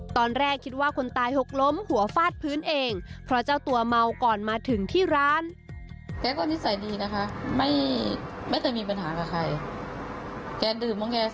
ตอนแรกคิดว่าคนตายหกล้มหัวฟาดพื้นเองเพราะเจ้าตัวเมาก่อนมาถึงที่ร้าน